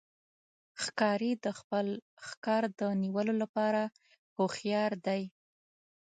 ښکاري د خپل ښکار د نیولو لپاره هوښیار دی.